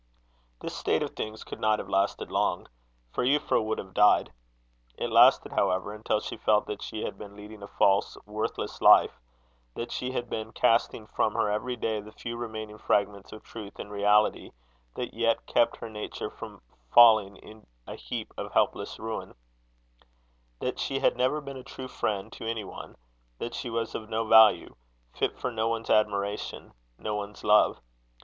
This state of things could not have lasted long; for Euphra would have died. It lasted, however, until she felt that she had been leading a false, worthless life; that she had been casting from her every day the few remaining fragments of truth and reality that yet kept her nature from falling in a heap of helpless ruin; that she had never been a true friend to any one; that she was of no value fit for no one's admiration, no one's love.